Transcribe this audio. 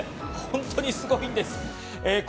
本当にすごいんです。